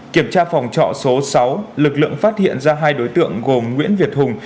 kiểm tra phòng trọ số sáu lực lượng phát hiện ra hai đối tượng gồm nguyễn việt hùng